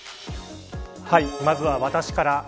まずは私から。